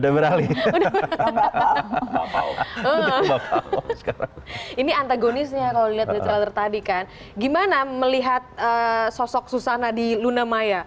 peran ya ini antagonisnya kalau lihat di trailer tadi kan gimana melihat sosok susana di luna maya